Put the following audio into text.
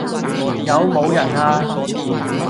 有冇人呀？